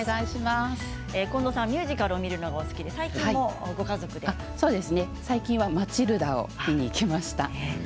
ミュージカルを見るのがお好きで「マチルダ」を見に行きました。